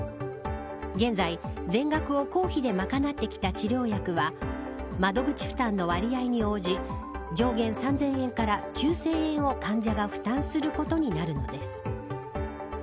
現在、全額を公費で賄ってきた治療薬は窓口負担の割合に応じ上限３０００円から９０００円を患者が負担することになるのです。